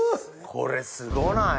これすごない？